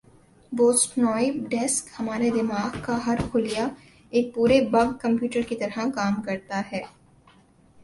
Boston Web desk ہمارے دماغ کا ہر خلیہ ایک پورےبگ کمپیوٹر کی طرح کام کرتا ہے